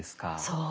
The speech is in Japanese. そう。